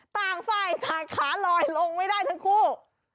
ต้างไส้แต่ขาลอยลงไม่ได้ทั้งคู่